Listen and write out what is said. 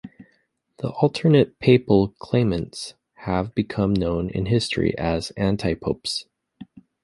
The alternate papal claimants have become known in history as antipopes.